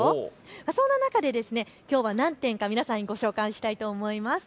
そんな中できょうは何点か皆さんにご紹介したいと思います。